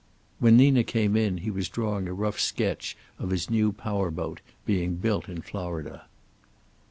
When Nina came in he was drawing a rough sketch of his new power boat, being built in Florida.